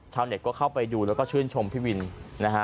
เน็ตก็เข้าไปดูแล้วก็ชื่นชมพี่วินนะฮะ